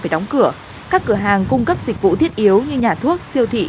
phải đóng cửa các cửa hàng cung cấp dịch vụ thiết yếu như nhà thuốc siêu thị